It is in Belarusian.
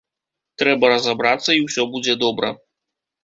Трэба разабрацца, і ўсё будзе добра.